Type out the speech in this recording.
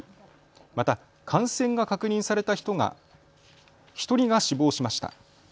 また感染が確認された１人が死亡しました。